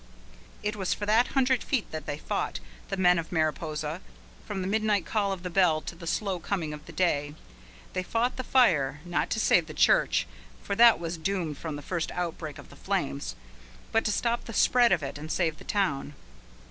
It was for that hundred feet that they fought, the men of Mariposa, from the midnight call of the bell till the slow coming of the day. They fought the fire, not to save the church, for that was doomed from the first outbreak of the flames, but to stop the spread of it and save the town.